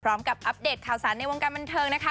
พร้อมกับอัพเดทข่าวสารในวงการบันเทิงนะคะ